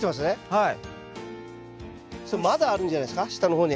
はい。